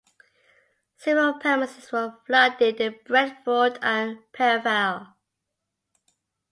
Several premises were flooded in Brentford and Perivale.